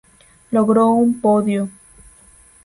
Logró un podio.